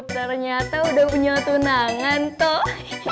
ternyata udah punya tunangan toh